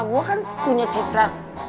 gua kan punya citra